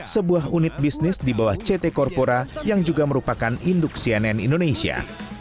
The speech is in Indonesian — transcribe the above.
sebuah unit bisnis di bawah ct corpora yang juga merupakan induk cnn indonesia